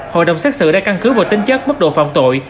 hội đồng xét xử đã căn cứ vào tính chất bất độ phòng tội